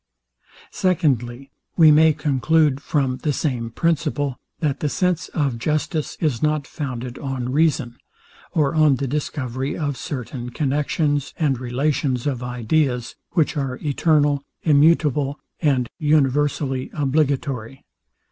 Secondly, we may conclude from the same principle, that the sense of justice is not founded on reason, or on the discovery of certain connexions and relations of ideas, which are eternal, immutable, and universally obligatory.